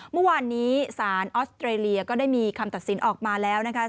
เมื่อวานนี้สารออสเตรเลียก็ได้มีคำตัดสินออกมาแล้วนะคะ